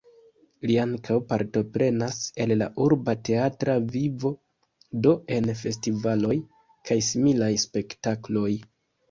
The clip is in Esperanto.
Li ankaŭ partoprenas en la urba teatra vivo, do en festivaloj kaj similaj spektakloj.